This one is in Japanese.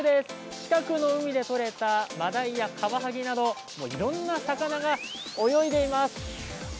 近くの海で取れたまだいいやカワハギなどいろいろな魚が泳いでいます。